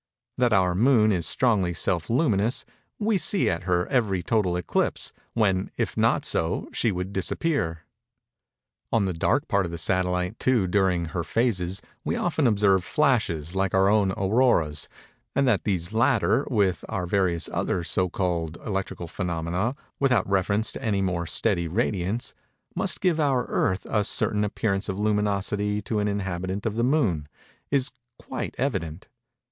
That our Moon is strongly self luminous, we see at her every total eclipse, when, if not so, she would disappear. On the dark part of the satellite, too, during her phases, we often observe flashes like our own Auroras; and that these latter, with our various other so called electrical phænomena, without reference to any more steady radiance, must give our Earth a certain appearance of luminosity to an inhabitant of the Moon, is quite evident.